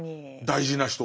大事な人。